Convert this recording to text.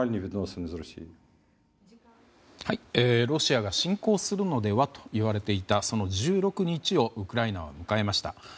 ロシアが侵攻するのではといわれていたその１６日をウクライナは迎えました。